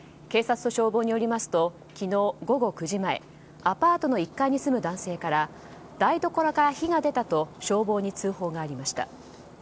警察と消防によりますと昨日午後９時前アパートの１階に住む男性から台所から火が出たと消防に通報がありました。